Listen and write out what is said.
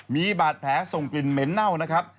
มีบาดแผลส่งกลิ่นเหม็นเน่านะครับ